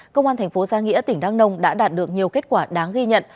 công an thành phố gia nghĩa tỉnh đăng nông đã đạt được nhiều kết quả đáng ghi nhận